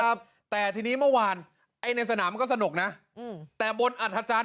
ครับแต่ทีนี้เมื่อวานไอ้ในสนามก็สนุกนะอืมแต่บนอัฐจันทร์